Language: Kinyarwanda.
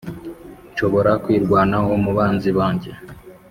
nshobora kwirwanaho mu banzi banjye